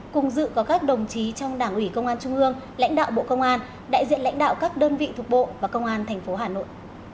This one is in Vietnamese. cùng dự có các đồng chí trong đảng ủy công an trung ương lãnh đạo bộ công an đại diện lãnh đạo các đơn vị thuộc bộ và công an tp hà nội